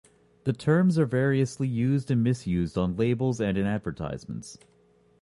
The terms are variously used and misused on labels and in advertisements.